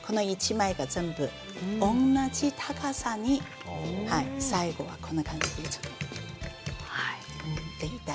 なるべく１枚が全部同じ高さに最後はこんな感じで。